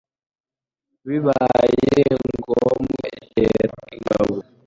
bibaye ngombwa itera ingabo